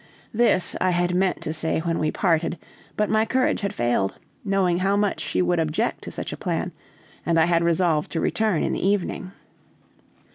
This I had meant to say when we parted, but my courage had failed, knowing how much she would object to such a plan, and I had resolved to return in the evening.